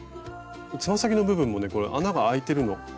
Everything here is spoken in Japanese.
つま先の部分もね穴があいてるの。